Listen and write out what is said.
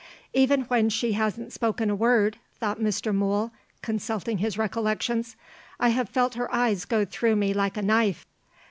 "Even when she hasn't spoken a word," thought Mr. Mool, consulting his recollections, "I have felt her eyes go through me like a knife."